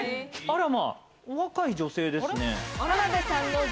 お若い女性ですね。